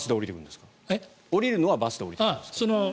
下りるのはバスで下りてくるんですか？